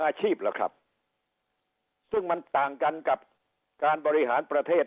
อาชีพล่ะครับซึ่งมันต่างกันกับการบริหารประเทศ